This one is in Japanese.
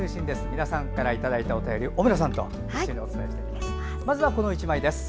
皆さんからいただいたお便り小村さんとお伝えします。